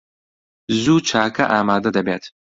زوو چاکە ئامادە دەبێت.